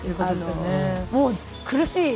もう苦しい。